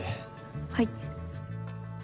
はい。